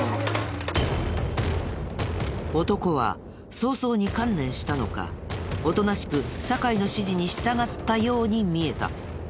男は早々に観念したのかおとなしく酒井の指示に従ったように見えた。